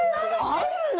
あるの？